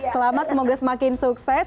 selamat semoga semakin sukses